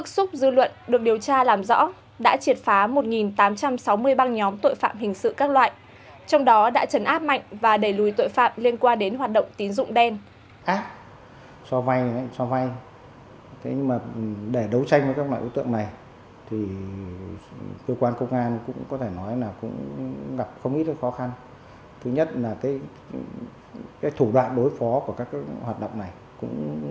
sau khi gió mùa đông bắc tràn về thì trời có mưa nhỏ và nhiệt độ giảm dần